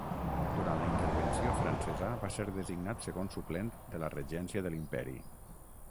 Durant la Intervenció francesa va ser designat segon suplent de la regència de l'Imperi.